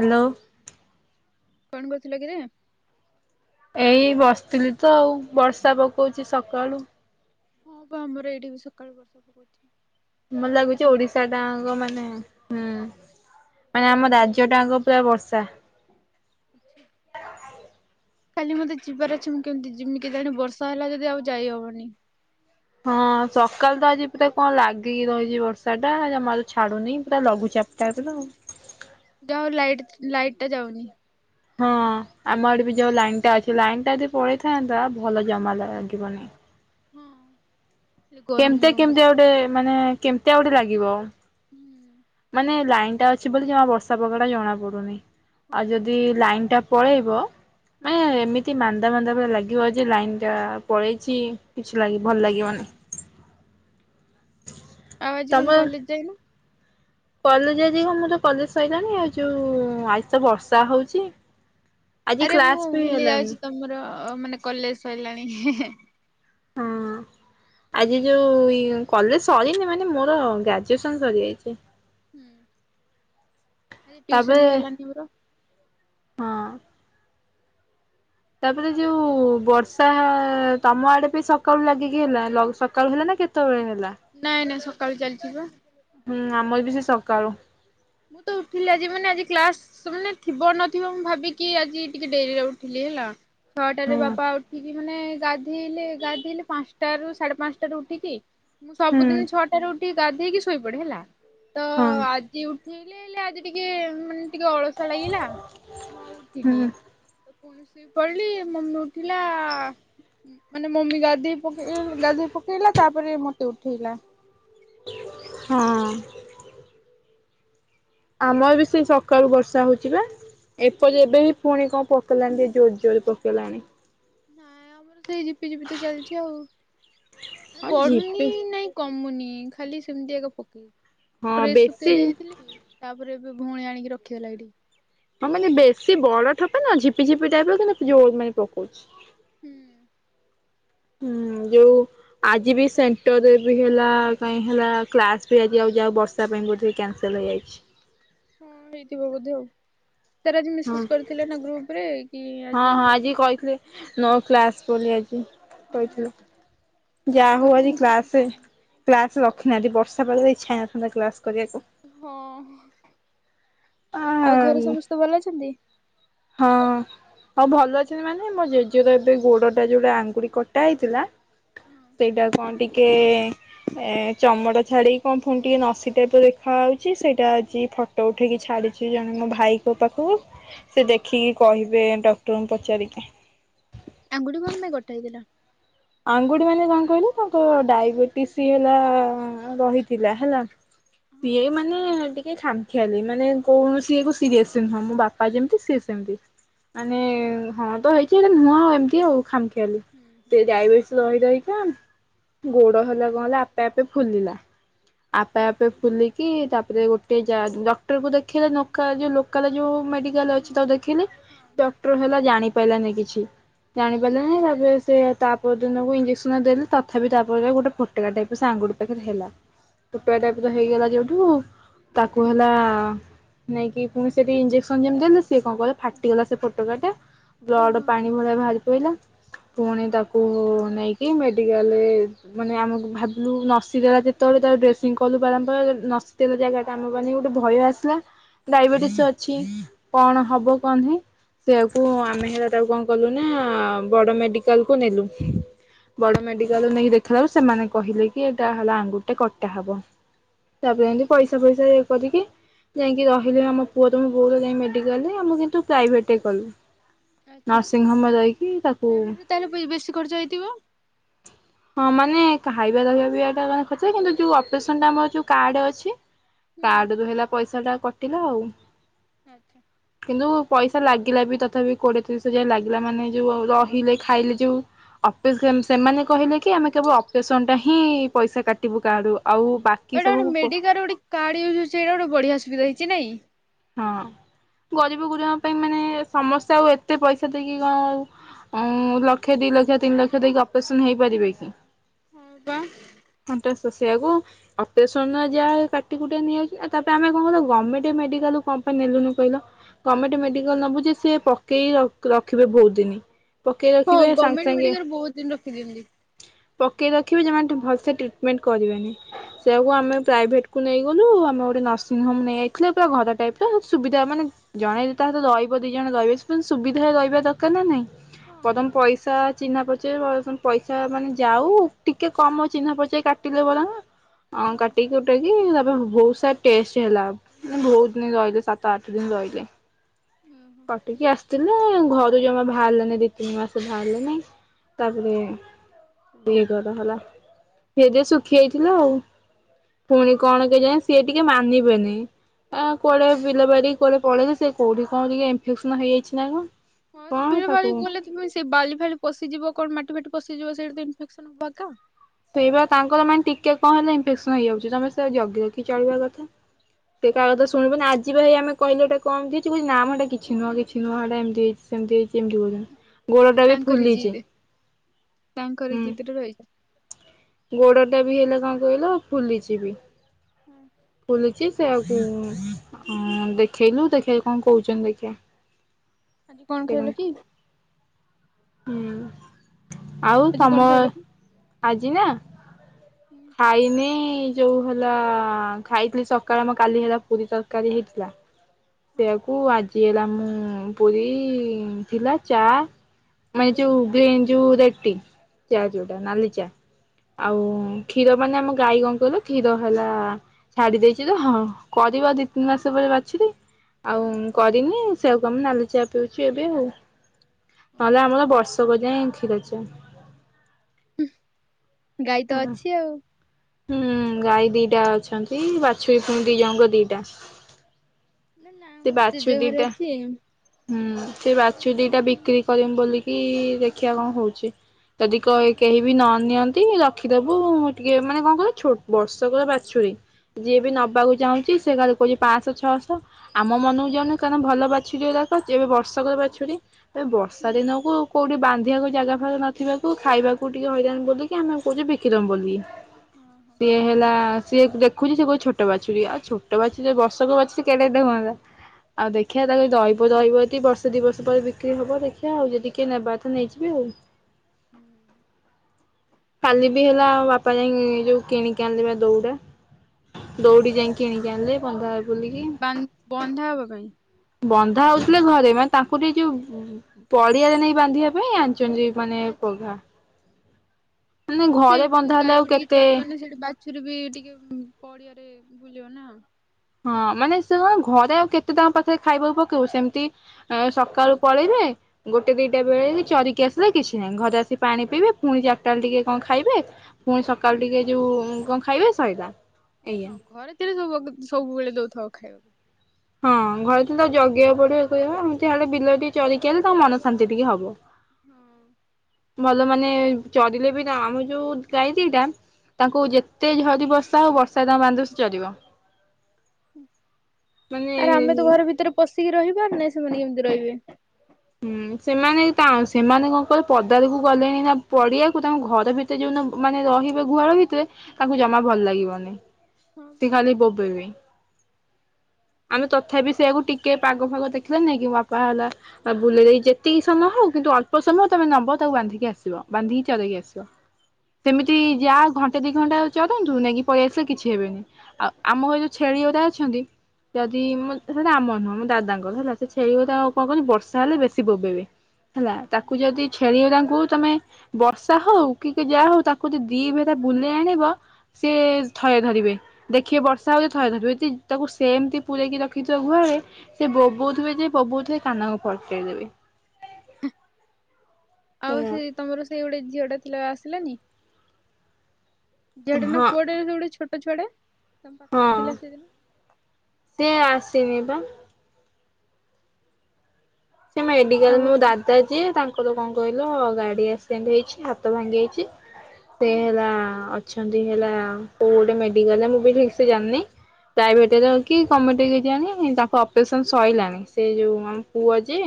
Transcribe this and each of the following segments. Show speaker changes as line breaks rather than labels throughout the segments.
Hello.
କଣ କରୁଥିଲ କିରେ।
ଏଇ ବସିଥିଲି ତ ଆଉ ବର୍ଷା ପକଉଛି ସକାଳୁ।
ହଁ ବା ଆମର ଏଇଠି ବି ସକାଳୁ ବର୍ଷା ପକଉଚି।
ଭଲ ଲାଗୁଚି ଓଡିଶା ଟାଙ୍କ ମାନେ ହୁଁ ମାନେ ଆମ ରାଜ୍ୟ ଟାଙ୍କ ପୁରା ବର୍ଷା।
[inaudible] ଖାଲି ମତେ ଯିବାର ଅଛି ମୁଁ କେମିତି ଯିମି କେଜାଣି ବର୍ଷା ହେଲା ଯଦି ଆଉ ଯାଇହବନି।
ହଁ ସକାଳୁ ତ ଆଜି ପୁରା କଣ ଲାଗିକି ରହିଚି ବର୍ଷାଟା ଜମା ଛାଡୁନି ପୁରା ଲଘୁଚାପ। [unintelligible]
ଯା ହଉ ଲାଇଟ୍ ଲାଇଟ୍ ଟା ଯାଉନି।
ହଁ ଆମ ଆଡେ ବି ଯୋଉ ଲାଇନ୍ ଟା ଅଛି ଲାଇନ ଟା ଯଦି ପଳେଇଥାନ୍ତା ଭଲ ଜମା ଲାଗିବନି।
ହଁ ଗରମ
କେମତିଆ
ଗରମ ଲାଗୁ
କେମତିଆ ଗୋଟେ ମାନେ କେମତିଆ ଗୋଟେ ଲାଗିବ।
ହୁଁ।
ମାନେ ଲାଇନ ଟା ଅଛି ବୋଲି ଜମା ବର୍ଷା ପାଗଟା ଜଣା ପଡୁନି
ହଁ
ଆଉ
ପା।
ଯଦି ଲାଇନ ଟା ପଳେଇବ ମ ଏମିତି ମାନ୍ଦା ମାନ୍ଦା ଭଳେ ଲାଗିବ ଯେ ଲାଇନ ଟା ପଳେଇଚି। କିଛି ଲାଗି ଭଲ ଲାଗିବନି।
ଆଉ ଆଜି
ତମ
କଣ କଲେଜ ଯାଇନୁ?
କଲେଜ ଆଜି [unintelligible] କଲେଜ ସରିଲାଣି ଆଉ ଯୋଉ ଆଜିତ ବର୍ଷା ହଉଚି।
ଆରେ ମୁଁ ଭୁଲି ଯାଉଚି ତମର ମାନେ କଲେଜ ସରିଲାଣି।
ହଁ। ଆଜି ଯୋଉ କଲେଜ ସରିନି ମାନେ ମୋର ଗ୍ରାଜୁଏସନ ସରିଯାଇଚି।
ହୁଁ ଆଜି
ତାପରେ
ଟ୍ୟୁସନ୍ ବି ହେଲାନି ମୋର।
ହଁ। ତାପରେ ଯୋଉ ବର୍ଷା ତମ ଆଡେ ବି ସକାଳୁ ଲାଗିକି ହେଲା ସକାଳୁ ହେଲା ନା କେ ତେବେଳେ ହେଲା?
ନାଇଁ ନାଇଁ ସକାଳୁ ଚାଲିଚି ବା।
ହୁଁ ଆମର ବି ସେ ସକାଳୁ।
ମୁଁ ତ ଉଠିଲି ଆଜି ମାନେ ଆଜି କ୍ଲାସ ସେ ମାନେ ଥିବ ନଥିବ ମୁଁ ଭାବିକି ଆଜି ଟିକେ ଡେରିରେ ଉଠିଲି ହେଲା। ଛଅଟାରେ
ହୁଁ
ବାପା ଉଠିକି ମାନେ ଗାଧେଇଲେ ଗାଧୋଇଲେ ପାଞ୍ଚଟା ରୁ ସାଢେ ପାଞ୍ଚଟାରୁ ଉଠିକି ମୁଁ
ହୁଁ
ସବୁଦିନ ଛଅଟାରେ ଉଠିକି ଗାଧେଇକି ଶୋଇପଡେ ହେଲା। ତ
ହଁ।
ଆଜି ଉଠେଇଲେ ହେଲେ ଆଜି ଟିକେ ମାନେ ଟିକେ ଅଳସ [unintelligible] ଲାଗିଲା ମୁଁ ଆଉ ଉଠିନି।
ହୁଁ
ତ ପୁଣି ଶୋଇ ପଡିଲି ମମି ଉଠିଲା ମାନେ ମମି ଗାଧୋଇ ପକେଇ ଗାଧୋଇ ପକେଇଲା ତାପରେ ମତେ ଉଠେଇଲା।
ହଁ। ଆମର ବି ସେ ସକାଳୁ ବର୍ଷା ହଉଚି ବା ଏପରି ଏବେ ବି ପୁଣି କଣ ପ ଜୋର ଜୋର ରେ ପକେଇଲାଣି।
ନାଇଁ ଆମର ସେଇ ଜିପି ଜିପି ତ ଚାଲିଛି ଆଉ ମାନେ
ହଁ
ବଢୁନି
ଝିପି
ନାଇଁ। କମୁନି ଖାଲି ସେମିତି ଆଗ ପକେଇି
ହଁ
ଡ୍ରେସ
ବେଶୀ
ଶୁଖେଇ ଦେଇଥିଲି। ତାପରେ ଏ ଭଉଣୀ ଆଣିକି ରଖିଗଲା ଏଇଠି।
ହଁ ମାନେ ବେଶୀ ବଡ ଠୋପ ନା ଝିପି ଝିପି ଟାଇପ ରୋଉ ମାନେ ପକଉଚି।
ହୁଁ।
ହୁଁ ଯୋଉ
ଆଉ
ଆଜି ବି
କଣ
ସେଣ୍ଟର ବି ହେଲା କାଇହିଁ ହେଲା କ୍ଲାସ୍ ବି ଆଜି ଆଉ ଯାଉ ବର୍ଷା ପାଇଁ ବୋିକି କ୍ୟାନସଲ୍ ହେଇଯାଇଚି।
ହଁ ହେଇଥିବ ବୋଧେ ଆଉ ତାର ଆଜି
ହଁ
ମେସେଜ କରିଥିଲେ ନା ଗ୍ରୁପ ରେ କି
ହଁ ହଁ
କ୍ଲାସ
ଆଜି
ଅଛି। ନା।
କହିଥିଲି ନୋ କ୍ଲାସ ବୋଲି ଆଜି
ହୁଁ।
କହିଥିଲେ। ଯାହା
ଆଉ
ହଉ
ଘରେ
ଆଜି
ସମସ୍ତେ କେମିତି
କ୍ଲାସ
ଅଛନ୍ତି?
କ୍ଲାସ ରଖିନାହାନ୍ତି ବର୍ଷା ପାଗ ରେ ଇଛା ହୋଇ ନଥାନ୍ତା କ୍ଲାସ କରିବାକୁ।
ହଁ।
ଆ
ଆଉ ଘରେ ସମସ୍ତେ ଭଲ ଅଛନ୍ତି?
ହଁ ହଉ ଭଲ ଅଛନ୍ତି ମାନେ ମୋ ଜେଜେର ଏବେ ଗୋଡଟା ଯୋଉଟା ଆଙ୍ଗୁଠି କଟା ହେଇଥିଲା
ହଁ
ସେଇଟା କଣ ଟିକେ ଏ ଚମଟ ଛାଡିକି କଣ ଫୁଣି ଟିକେ ନସି ଟାଇପ ର ଦେଖା ହାଉଛି ସେଇଟା ଆଜି ଫୋ ଫୋଟ ଉଠେଇକି ଛାଡିଚି ଜଣେ ମୋ ଭାଇଙ୍କ ପାଖକୁ। ସେ ଦେଖିକି କହିବେ ଏ
ଓହୋ, ଆଙ୍ଗୁଠି କଣ ପାଇଁ କଟା ହେଇଥିଲା?
ଆଙ୍ଗୁଠି ମାନେ କଣ କହିଲେ ତାଙ୍କ ଡାଇବେଟିସ୍ ହେଲା ରହିଥିଲା ହେଲା। ସିଏ
ହଁ
ମାନେ ଟିକେ ଖାମଖିଆଲି ମାନେ କୌଣସି ଇଏକୁ ସିରିଏସ୍ ନୁହଁ ମୋ ବାପା ଯେମିତି ସିଏ ସେମିତି। ମାନେ
ଆଚ୍ଛା
ହଁ ତ ହେଇଚି ଏଟା ନୁହଁ ଏମତି ଆଉ ଖାମଖିଆଲି
ହୁଁ ହୁଁ।
ସେ ଡାଇବେଟିସ୍ ରହି ରହିକା ଗୋଡ ହେଲା କଣ ହେଲା ଆପେ ଆପେ ଫୁଲିଲା। ଆପେ ଆପେ
ଓହୋ
ଫୁଲିିକ୍ କି ତାପରେ ଗୋଟେ ଯା ଡକ୍ଟର କୁ ଦେଖେଇଲା ନୋକା ଯୋଉ ଲୋକାଲ ଯୋଉ ମେଡି କାଲ୍
ହୁଁ
ଅଛି ତାକୁ ଦେଖିଇଲେ
ହଁ
ଡକ୍ଟର ହେଲା ଜାଣି ପାଇଲାନି କିଛି। ଜାଣି
ହୁଁ।
ପାରିଲିନି ତାପରେ ସେ ପଅର ଦିନକୁ ଇଞ୍ଜେକ୍ସନ ଦେଲେ ତଥାପି ତାପରେ ଗୋଟେ ଫୋଟକା ଟାଇପ୍ ର ସେ ଆଙ୍ଗୁଠି ପାଖରେ ହେଲା। ଫୋଟକା ଟାଇପ୍ ର ହେଇଗଲା ଯୋଉଠୁ ତାକୁ ହେଲା ନେଇକି ପୁଣି ସେଠି ଇଞ୍ଜେକ୍ସନ୍ ଯେମତି ଦେଲେ ସିଏ କଣ କ ଫାଟିଗଲା ସେ ଫୋଟକାଟା ବ୍ଲଡ
ଓହୋ
ପାଣି ଭଳିଆ ବାହାରି ପଇଲା ପୁଣି ତା କୁ ନେଇକି ମେଡିକାଲରେ ମାନେ ଆମକୁ ଭାବିଲୁ ନସିଦେଲା ଯେ ତ ଯେତେବେଳେ ଡେସିଂ କଲୁ
ହୁଁ
ବାରମ୍ବାର ନସି ତେଲ ଜାଗା ଟା ଆମକୁ ମାନେ ଗୋଟେ ଭୟ ଆସିଲା।
ହୁଁ
ଡାଇବେଟିସ୍ ଅଛି କଣ ହବ
ହଁ
କଣ ନାହିଁ। ସେୟାକୁ ଆମେ ହେଲା ତାକୁ କଣ କଲୁ ନା ବଡ ମେଡିକାଲ କୁ ନେଲୁ। ବଡ
ହଁ।
ମେଡିକାଲ ରେ ନେଇକି ଦେଖିଲାବେଳକୁ ସେମାନେ କହିଲେ କି ଏଇଟା ହେଲା ଆଙ୍ଗୁୁଠିଟା କଟା ହବ। ତାପରେ ଏମିତି
ଓହୋ
ପଇସା ଫଇସା ଇଏ କରିକି ଯାଇଁ କି ରହିଲେ ଆମ ପୁଅ ତ ମୋ ବୋଉର ଯାଇଁ କି ମେଡିକାଲରେ ଆମେ କିନ୍ତୁ ପ୍ରାଇଭେଟ୍ ରେ କଲୁ।
ଆଚ୍ଛା
ନର୍ସିଂ ହୋମରେ ରହିକି ତାକୁ
ପ୍ରାଇଭେଟରେ ତାହେଲେ ବେ ବେଶୀ ଖର୍ଚ୍ଚ ହେଇଥିବ।
ହଁ ମାନେ ଖାଇବା ରହିବା ପିଇବା ଟା ଯାହା ଖର୍ଚ୍ଚ କିନ୍ତୁ ଯୋଉ ଅପରେସନ୍ ଟା ଆମର ଯୋଉ କାର୍ଡ ଅଛି।
ହୁଁ ହୁଁ
କାର୍ଡ ରୁ ହେଲା ପଇସା ଟା କଟିଲା ଆଉ।
ଆଚ୍ଛା।
କିନ୍ତୁ ପଇସା ଲାଗିଲା ବି ତଥାପି କୋଡିଏ ତିରିଶ ହଜାର ଲାଗିଲା ମାନେ ଯୋଉ
ହୁଁ।
ରହିଲେ ଖାଇଲେ ଯୋଉ ଅଫିସ ସେମାନେ କହିଲେ କି କି ଆମେ କେବଳ ଅପରେସନ୍ ଟା ହିଁ ପଇସା କାଟିବୁ କାର୍ଡରୁ ଆଉ ବାକ୍
ଏଟା ଗୋଟେ ଟେଡିକାଲରେ ଗୋଟେ କାର୍ଡ ଇଉଜ୍ ହେଉଛି ଏଟା ଗୋଟେ ବଢିଆ ସୁବଧା ହେଇଛି ନାଇଁ।
ହଁ ଗରିବ ଗୁରୁବାଙ୍କ ପାଇଁ ମାନେ ସମସ୍ତେ ଆଉ ଏତେ ପଇସା ଦେଇକି କଣ ଆ ଲକ୍ଷେ ଦି ଲକ୍ଷ ତିନି ଲକ୍ଷ ଦେଇକି ଅପରେସନ ହେଇପାରିବେ କି।
ହଁ ବା।
ଥଣ୍ଟ ଶୋଷିବାକୁ। ଅପ୍ରେସନ ଯାହା କାଟି କୁଟାକି ନେଇଆଯାଉ ତାପ୍ରେ ଆମେ କଂ କ ଗମେଣ୍ଟ୍ ମେଡିକାଲ୍ କୁ କଂ ପାଇଁ ନେଲୁନି କହିଲ। ଗମେଣ୍ଟ‌ ମେଡିକାଲ ନବୁ ଯେ ସେ ପକେଇ ରଖ୍ ରଖିବେ ବହୁତ ଦିନ। ପକେଇ
ହଁ
ରଖିବେ ସାଙ୍ଗେ
ଗଭର୍ଣ୍ଣମେଣ୍ଟ
ସାଙ୍ଗେ
ମେଡିକାଲ ବହୁତ ଦିନ ରଖିଦିଅନ୍ତି।
ପକେଇ ରଖିବେ ଯେମାନେ ଭଲସେ ଟ୍ରିଟମେଣ୍ଟ କରିବେନି ସେଇଆକୁ ଆମେ ପ୍ରାଇଭେଟକୁ ନେଇ ଗଲୁ ଆମେ ଗୋଟେ ନର୍ସିଂହୋମ ନେଇଯାଇଥିଲେ ପୁରା ଘର ଟାଇପ ର ସୁବିଧା ମାନେ ଜଣେ ଯଦି ତା ସହିତ
ହଁ
ରହିବ ଦିଜଣ ରହିବେ [unintelligible] ସୁବିଧା ରହିବା ଦରକାର ନା ନାଇଁ
ହଁ
ବରଂ ପଇସା ଚିହ୍ନା ପରିଚୟ ପଇସା ମାନେ ଯାଉ ଟିକେ କମ ଚିହ୍ନା ପରିଚୟ କାଟିଲେ ଭଲ ନା।
ହଁ
ଅଁ କାଟିକି କଟାକି ତାପ୍ରେ ଭୌସାଟ୍ ଟେଷ୍ଟ ହେଲା ମାନେ ବହୁତ ଦିନ ରହିଲେ ସାତ ଆଠ ଦିନ ରହିଲେ।
ଓହୋ
କଟିକି ଆସ୍ଥିଲେ ଘରୁ ଜମା ଭାର୍ଲାନି ଦି ତିନି ମାସେ ଭାର୍ଲେନି। ତାପ୍ରେ ଦି ଘର ହେଲା ସେ ଯେ ଶୁଖି ଯାଇଥିଲ ଆଉ। ଫୁଣି
ଓହୋ।
କଣ କେଯାଏଁ? ସେ ଟିକେ ମାନିବେନି ଆ କୁଆଡେ ବିଲ ବାଡି କୁ ଆଡେ ପଳେଇକି ସେ କୋଉଠି କଣ ଟିକେ ଇନଫେକ୍ସନ ହେଇଯାଇଛି ନା କଣ?
ହଁ
କଣ ତାକୁ
[unintelligible] ସେ ବାଲି ଫାଲି ପସିଯିବ କଣ ମାଟି ଫାଟି ପଶିଯିବ ସେଇଠି ତ ଇନ୍ଫେକ୍ସନ୍ ହବ।
ସେଇ ବା ତାଙ୍କର ମାନେ ଟିକେ କଣ ହେଲେ ଇନଫେକ୍ସନ ହେଇଯାଉଛି ତମେ ସେ ଜଗି ରଖି ଚଳିବା କଥା। ସେ କା କଥା ଶୁଣିବନି ଆଜି ବା ହେଇ ଆମେ। କହିଲ ଏଟା କମ୍ ଦେଇଚି କଉଚି ନାମ ହେଟା କିଛି ନୁହଁ କିଛି ନୁହଁ ଏଟା ଏମ୍ତି ହେଇଚି ସେମ୍ତି ହେଇଚି ଏମ୍ତି କହୁଚନ୍ତ୍ ଗୋଡ
ହଁ
ଟା ବି
ତାଙ୍କରି
ଫୁଲିଛି ହୁଁ।
ତୁ ରହିଯା।
ଗୋଡଟା ବି ହେଲା କଣ କହିଲ ଫୁଲିଚି ବି।
ହୁଁ।
ଫୁଲିଚି ସେ ଆଉ ହଁ ଦେଖେଇଲୁ ଦେଖେଇକି କଣ କୋହୁଚନ୍ତି ଦେଖିଆ।
ଆଜି କଣ ଖାଇିଲ କି?
ହୁଁ ଆଉ
ଆଜି କଣ ଖାଇଲ
ତମର
କି?
ଆଜି ନା?
[inaudible]
ଖାଇନି ଯୋଉ ହେଲା ଖାଇଥିଲି ସକାଳେ ଆମ କାଲି ହେଲା ପୁରୀ ତରକାରୀ ହେଇଥିଲା।
ହଁ
ସେଆକୁ ଆଜି ହେଲା ମୁଁ ପୁରୀ ଥିଲା ଚା ମାନେ
ହୁଁ
ଯୋଉ ଗ୍ରୀନ ଯୋଉ ରେଟ ଟି ଚା ଯୋଉଟା ନାଲି ଚା
ହଁ
ଆଉ କ୍ଷୀର ମାନେ ଆମ ଗାଈ କଣ କହିଲ କ୍ଷୀର ହେଲା। ଛାଡି ଦେଇଚି ତ ହଁ କରିବ ଦି ତିନି ମାସପରେ ବାଛୁରୀ। ଆଉ
ଆଚ୍ଛା
କରିନି ସେଆକୁ ଆମେ ନାଲି ଚାଆ ପିଉଛୁ ଏବେ ଆଉ
ଓହୋ।
ନହେଲେ ଆମର ବର୍ଷ [unintelligible]
ଗାଈ ତ ଅଛି ଆଉ।
ହୁଁ ଗାଈ ଦିଟା ଅଛନ୍ତି ବାଛୁରୀ ପୁଣି ଦି ଜଣଙ୍କ ଦିଟା।
ନା ନା
ସେ
ମୋର
ବାଛୁ
ଜେଜେ ଘରେ
ଦିଟା
ଅଛି।
ହୁଁ ସେ ବାଛୁରିଦିଟା ବିକ୍ରି କରିମି ବୋଲିକି ଦେଖିବା କଣ ହୋଉଚି। ଯଦି କ କେହି
ଆଚ୍ଛା
ବି ନନିଅ ଟିକେ ରଖିଦୋବୁ ମୁଁ ଟିକେ ମାନେ କଣ କହିଲୁ ଛୋଟ ବର୍ଷକର ବାଛୁରୀ ଯିଏ ବି
ହୁଁ
ନବାକୁ ଚାହୁଁଚି ସେ ଖାଲି କୋହୁଚି ପାଆଁଶ ଛଅଶ ଆମ ମନକୁ ଯାଉନି କାରଣ ଭଲ ବାଛୁରୀ ଗୁରାକ ଯେବେ ବର୍ଷକର ବାଛୁରୀ ଏ
ହୁଁ
ବର୍ଷା
ହୁଁ
ଦିନକୁ କୋଉଠି ବାନ୍ଧିବାକୁ ଜାଗା ଫାଗା ନଥିବାକୁ ଖାଇବାକୁ ଟିକେ ହଇରାଣ ବୋଲିକି ଆମେ କହୁଚୁ ବିକିଦମୁ ବୋଲି।
ହଁ ହଁ।
ହେଲା ସିଏ ଦେଖୁଚି ସିଏ କହୁଚି ଛୋଟ ବାଛୁରୀ ଆଉ ଛୋଟ ବାଛୁରୀ ବର୍ଷକ ବାଛୁ କେଡ଼େ ଟେ ହୁଅନ୍ତା ଆଉ ଦେଖିବା ତାକୁ ଦହିବ ଦହିବ ବର୍ଷ ବର୍ଷେ ଦି ବର୍ଷ ପରେ ବିକ୍ରି ହବ ଦେଖିବା ଆଉ ଯଦି କିଏ ନେବା କଥା ନେଇଯିବେ ଆଉ।
ହୁଁ।
କାଲି ବି ହେଲା ଆଉ ବାପା ଯାଇଁ ଯୋଉ କିଣିକି ଆଣିଲେ ବା ଦୌଡ଼ା। ଦୌଡ଼ି ଯାଇଁ କିଣିକି ଆଣିଲେ ବନ୍ଧା
କି
ବୁଲିକି
ସେ ବାନ୍ଧ ବନ୍ଧା ହବା ପାଇଁ।
ବନ୍ଧା ହଉଥିଲେ ଘରେ ମାନେ ତାଙ୍କୁ ଏଇ ଯୋଉ ପଡି଼ଆରେ ନେଇ ବାନ୍ଧିବା ପାଇଁ ଆଣିଚନ୍ତି। ମାନେ ଏ
ଆଚ୍ଛା।
ପଘା। ମାନେ
ହଁ ସେ
ଘରେ ବନ୍ଧା ହେଲେ ଆଉ
[inaudible]
କେତେ
ଚରିବ ନା ସେଠି ବା ବାଛୁରୀ ବି ଟିକେ ପଡି଼ଆରେ ଭୁଲିବ ନା।
ହଁ ମାନେ ସେ କଣ ଘରେ ଆଉ କେତେ ତାଙ୍କ ପାଖରେ ଖାଇବାକୁ ପକେଇବୁ ସେମତି ଏ ସକାଳୁ ପଳେଇବେ ଗୋଟେ ଦିଟା ବେଳେ ବି ଚରିକି ଆସିଲା କିଛି ନାହିଁ ଘରେ ଆସି ପାଣି ପିଇବେ ପୁଣି ଚାରିଟାବେଳେ ଟିକେ କଣ ଖାଇବେ। ପୁଣି
ହୁଁ
ସକାଳୁ ଟିକେ ଯୋଉ କଣ ଖାଇବେ ସଇଲା। ଏଇଆ
ହଁ ଘରେ ଥିଲେ ସବୁ [unintelligible] ସବୁବେଳେ ଦଉଥାଉ ଖାଇବାକୁ।
ହଁ ଘରେ ତ ଜଗିବାକୁ ପଡି଼ବ [unintelligible] ଏମତି ହେଲେ ବିଲ ରେ ଟିକେ ଚରିକି ଆଇଲେ ତା ମନ ଶାନ୍ତି ଟିକେ ହବ।
ହଁ।
ଭଲ ମାନେ ଚରିଲେ ବି ନା ଆମ ଯୋଉ ଗାଈ ଦିଇଟା ତାଙ୍କୁ ଯେତେ ଝରି ବର୍ଷା ଆଉ ବର୍ଷା ତାଙ୍କୁ ବାନ୍ଧିଲେ ସେ ଚରିବ।
ଅଁ, ଆରେ ଆମେ ତ
ମାନେ
ଘର ଭିତରେ ପଶିକି ରହି ପାରୁନେ ସେମାନେ କେମିତି ରହିବେ।
ହୁଁ, ସେମାନେ ତା ସେମାନେ କଣ କହିଲ ପଦା ଆଡକୁ ଗଲେଣି ନା ପଡି଼ଆକୁ ତାଙ୍କ ଘର ଭି ତ ଯୋଉନ ମାନେ ରହିବେ ଗୁହାଳ ଭିତରେ ତାଙ୍କୁ ଜମା ଭଲ ଲାଗିବନି।
ହଁ ବା
ତ ଖାଲି ବବେଇବେ। ଆମେ ତଥାପି ସେଇଆକୁ ଟିକେ ପାଗ ଫାଗ ଦେଖିଲା ନାଇଁ କି ମୋ ବାପା ହେଲା ଆ, ବୁଲେଇ ଦେଇ ଯେତିକି ସମୟ ହଉ କିନ୍ତୁ ଅଳ୍ପ ସମୟ ତୋମେ ନବ ତାକୁ ବାନ୍ଧିକି ଆସିବ। ବାନ୍ଧିକି ଚରେଇକି ଆସିବ।
ହଁ
ସେମିତି
ବା
ଯା ଘଣ୍ଟେ ଦି ଘଣ୍ଟା ଚରନ୍ତୁ ନେଇକି ପଳେଇ ଆସିଲେ କିଛି ହେବେନି। ଆଉ ଆମର ଏ ଯୋଉ ଛେଳି ଗୋରା ଅଛନ୍ତି, ଯଦି ମୋ ସେଉଡା ଆମର ନୁହଁ ମୋ ଦାଦାଙ୍କର ହେଲା। ସେ ଛେଳିି
ହୁଁ।
ଗୁରା ଆଉ କଣ କହିଲୁ ବର୍ଷା ହେଲେ ବେଶୀ ବୋବେଇବେ। ହେଲା ତାକୁ ଯଦି ଛେଳି ଓ ତାଙ୍କୁ ତୋମେ ବର୍ଷା ହଉ କି କି ଯାହା ହଉ ତାକୁ ଯଦି ଦି ଭେରା ବୁଲେଇ ଆଣିବ। ସିଏ ଥୟ ଧରିବେ। ଦେଖିବେ ବର୍ଷା ହଉଛି ଥୟ ଧରିବ, ତି ତାକୁ ସେମିତି ପୁରେଇକି ରଖିଥିବ ଗୁହାଳେ ସେ ବୋବଉଥିବେ ଯେ ବୋବଉଥିବେ କାନକୁ ଫଟେଇ ଦେବେ।
ହଁ ଆଉ ସେ ତୋମର ସେଇ ଗୋଟେ ଝିଅ ଟା ଥିଲା ଆସିଲାନି? ଝିଅଟେ ନା
ହଁ
ପୁଅଟେ ସେ ଗୋଟେ ଛୋଟ ଛୁଆଟା ତୋମ
ହଁ
ପାଖରେ ଥିଲା ସେଦିନ।
ସେ ଆସିନି ତ। ସେ ମେଡିକାଲ୍ ରେ
ଆଉ
ମୋ
ଆଜି
ଦାଦା ଯିଏ ତାଙ୍କର କଣ କହିଲ ଗାଡି଼ ଏକ୍ସିଡେଣ୍ଟ ହେଇଛି, ହାତ ଭାଙ୍ଗି ଯାଇଚି। ସେ
ହୁଁ
ହେଲା ଅଛନ୍ତି ହେଲା କୋଉ ଗୋଟେ ମେଡିକାଲ୍ ରେ ମୁଁ ବି ଠିକ ସେ ଜାଣିନି। ପ୍ରାଇଭେଟ୍ ର କି ଗମେଣ୍ଟ କି କିଆଣି ତାଙ୍କ ଅପରେସନ୍ ସଇଲାଣି। ସେ ଯୋଉ ଆମ ପୁଅ ଯେ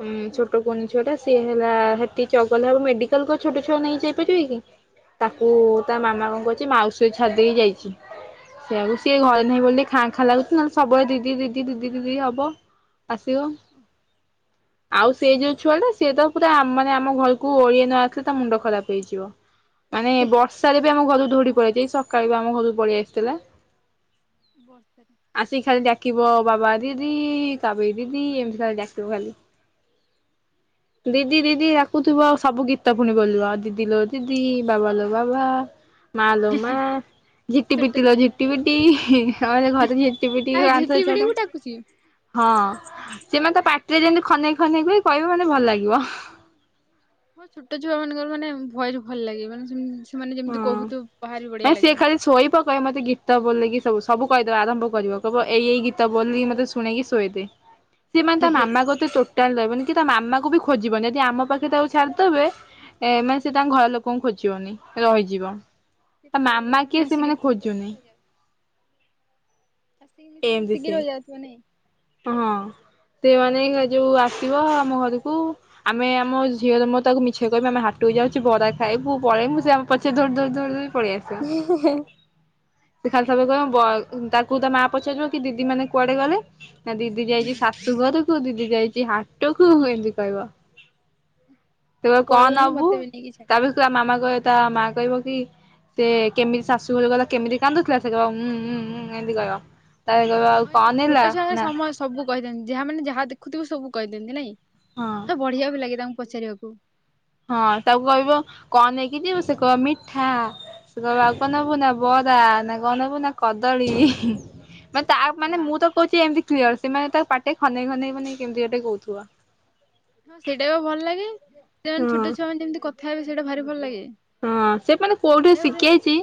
ଉଁ, ଛୋଟ
ହୁଁ
କୁନି ଝିଅଟା ସିଏ ହେଲା ହେଟି ଚଗଲା ହବ ମେଡିକାଲ୍ କୁ ଆଉ ଛୋଟ ଛୁଆ ନେଇ ଯାଇପାରିବେ କି।
ନା
ତାକୁ
ନା
ତା ମାମା କଣ କରିଚି ମାଉସୀ ଛାଡିଦେଇ ଯାଇଛି ସେଆକୁ ସିଏ
ଓହୋ
ଘର ନାହିଁ ବୋଲି ଖାଁ ଖାଁ ଲାଗୁଛି ନହେଲେ ସବୁବେଳେ ଦିଦି ଦିଦି ଦିଦି ଦିଦି ହବ ଆସିବ। ଆଉ ସେ ଯୋଉ ଛୁଆଟା ସିଏ ତ ପୁରା ଆ, ମାନେ ଆମ ଘରକୁ ଓଳିଏ ନ ଆସିଲେ ତା ମୁଣ୍ଡ ଖରାପ ହେଇଯିବ। ମାନେ ବର୍ଷାରେ ବି ଆମ ଘରକୁ ଦୌଡି ପଳିଆଇଚି। ଏଇ ସକାଳେ ବି ଆମ ଘରକୁ ପଳେଇ ଆସିଥିଲା।
ବର୍ଷାରେ।
ଆସିକି ଖାଲି ଡାକିବ ବାବା ଦିଦି କାବିଳି ଦିଦି ଏମିତି ଖାଲି ଡାକିବ ଖାଲି। ଦିଦି ଦିଦି ରାକୁୁଥିବ ଆଉ ସବୁ ଗୀତ ପୁଣି ବଲିବ ଆଉ ଦିଦି ଲୋ ଦିଦି ବାବା ଲୋ ବାବା। ମା ଲୋ ମା।
ଏ
ଝିଟି
ଛୋଟ
ପିଟିିଲ
ଛୁଆଟା
ଝିଟି ପିଟି ଆମର ଘରେ ଝିଟି ପିଟି
ଆ ଝିଟି
କାନ୍ଥରେ
ପିଟିକୁ
ଛଢନ୍ତି।
ଡାକୁଛି।
ହଁ ସିଏ ମୋତେ ପାଟିରେ ଯେମିତି ଖନେଇ ଖନେଇ କି କହିବ ମାନେ ଭଲ ଲାଗିବ।
ହଁ ଛୋଟ ଛୁଆ ମାନଙ୍କର ମାନେ ଭଏସ୍ ଭଲ ଲାଗେ। ମାନେ ସେ ସେମାନେ ଯେମିତି କହୁଥିବ ବାହାରି ବଢିଆ ଲାଗିବ।
ଶୋଇ ପ କହେ ମୋତେ ଗୀତ ବୋଲିକି ଶୋଉ ସବୁ କହିଦେବା ଆରମ୍ଭ କରିବ, କହିବ ଏଇ ଏଇ ଗୀତ ବୋଲି ମୋତେ ଶୁଣେଇକି ଶୋଇଦେ। ସିଏ ମାନେ
ହେ
ତା
ହେ
ମାମା କତ ସେ ଟୋଟାଲ ରହିବନି କି ତା ମାମାକୁ ବି ଖୋଜିବନି, ଯଦି ଆମ ପାଖରେ ତାକୁ ଛାଡ଼ିଦେବେ। ଏ ମାନେ ସେ ତାଙ୍କ ଘର ଲୋକଙ୍କୁ ଖୋଜିବନି ରହିଯିବ। ତା
କେତେ ବଢିଆ
ମାମା କିଏ ସେ
ଆସିକି
ମାନେ ଖୋଜୁନି।
ଆସିିକି
ଏମିତି
ମିଶିକି
ସେ
ରହି ଯାଉଥିବା ନାଇଁ।
ହଁ ସେଇ ମାନେ ଯୋଉ ଆସିବ ଆମ ଘରକୁ ଆମେ ଆମ ଝିଅ ର ମୋର ତାକୁ ମିଛ କହିବ ଆମ ହଟକୁ ଯାଉଛି ବରା ଖାଇବୁ ପଳେଇବୁ ସେ ଆ ପଛରେ ଦୌଡି ଦୌଡି ଦୌଡି ପଳେଇ ଆସେ।
[unintelligible]
ସେ ଖାଲି ସବେ କହ ତାକୁ ତା ମା ପଚାରିବ କି ଦିଦି ମାନେ କୁଆଡେ ଗଲେ? ନା ଦିଦି ଯାଇଛି ଶାଶୁଘରକୁୁ ଦିଦି ଯାଇଛି ହାଟ କୁ ଏମିତି କହିବ।
ସେ
ତବେ କଣ
ପଳେଇଲାଣି
ନବୁ
ମତେ ବି ନେଇକି ଛାଡି
ତା ବି କ ମାମା କହିବ ତା ମା କହିବ କି ସେ କେମିତି ଶାଶୁ ବୋଲି ଗଲେ କେମିତି କାନ୍ଦୁଥିଲା ସେଁ କହିବ ଉଁ ଉଁ ଉଁ ଉଁ ଏମିତି କହିବ। ତାପରେ କହିବ ଆଉ
ହଁ ଏ
କଣ ନେଲା
ଛୋଟ ଛୁଆରେ
ନା
ସମ ସବୁ କହିଥାନ୍ତି ଯାହା ମାନେ ଯାହା ଦେଖୁଥିବେ ସବୁ କହିଥାନ୍ତି ନାଇଁ।
ହଁ।
ତ ବଢିଆ ବି ଲାଗେ ତାଙ୍କୁ ପଚାରିଆକୁ।
ହଁ ତାକୁ କହିବ କଣ ନେଇକି ଯିବ ସେ କହିବ ମିଠା। ସେ କହିବ ଆଉ କଣ
ହୁଁ
ନବୁ ସେ କହିବ ବରା ନା ଗ ନବୁ ନା କଦଳୀ ମାନେ ତା ମାନେ
ହଁ
ମୁଁ ତ କହୁଛି ଏମିତି କ୍ଲିୟର ସେମାନେ ତା ପାଟେ ଖନେଇ ଖନେଇ ମାନେ କେମିତି ଗୋଟେ କହୁଥିବ।
ହଁ ସେଇଟା ବି ଭଲ ଲାଗେ
ହଁ
ସେମାନେ ଛୋଟ ଛୁଆ ମାନ ଯେମିତି କଥା ହେବେ ସେଇଟା ଭାରି ଭଲ ଲାଗେ।
ହଁ ସେ ମାନେ କୋଉଠି
ଏ ଗୋଟେ
ଶିଖେଆଇଛି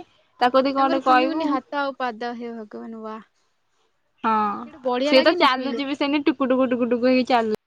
ତାଙ୍କର କୁନି କୁନି ହାତ ଆଉ ପାଦ ହେ ଭଗବାନ ଉଆ
ହଁ ସିଏ ତ
ଛୁଇଁଲେ।
ଚାଲୁଛି ବି ସେନ୍ତି ଟୁକୁ ଟୁକୁ ଟୁକୁ ଟୁକୁ ହେଇ ଚାଲୁ